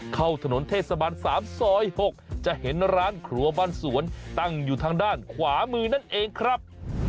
เข้าถนนเทศบาล๓ซอย๖จะเห็นร้านครัวบ้านสวนตั้งอยู่ทางด้านขวามือนั่นเองครับ